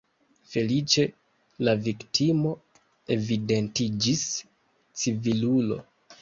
Feliĉe, la viktimo evidentiĝis civilulo.